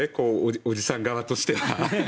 おじさん側としては。